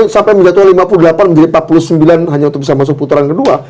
sampai menjatuhkan lima puluh delapan menjadi empat puluh sembilan hanya untuk bisa masuk putaran kedua